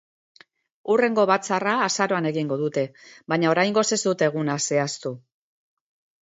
Hurrengo batzarra azaroan egingo dute, baina oraingoz ez dute eguna zehaztu.